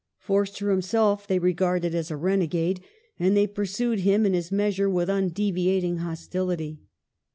Forster himself they regarded as a renegade, and they pursued him and his measure with undeviating hostility.